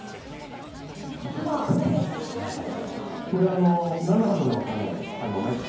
今、何をされてらっしゃるんですか？